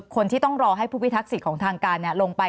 คนที่ต้องรอให้ผู้พิทักษิตของทางการลงไป